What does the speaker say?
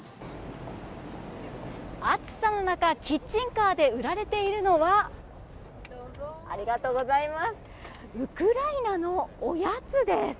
暑さの中、キッチンカーで売られているのはウクライナのおやつです。